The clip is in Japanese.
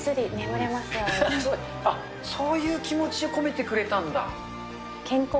あっ、そういう気持ち込めてくれたんだ。